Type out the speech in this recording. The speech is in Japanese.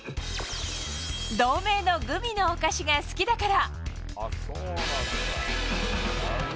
同名のグミのお菓子が好きだから。